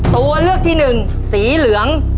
ตัวเลือกที่หนึ่งสีเหลือง